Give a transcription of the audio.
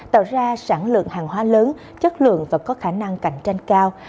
tạo ra sản lượng hàng hóa lớn chất lượng và có khả năng cạnh tranh cao